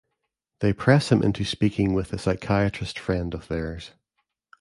They press him into speaking with a psychiatrist friend of theirs.